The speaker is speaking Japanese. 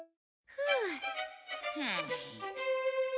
ふう。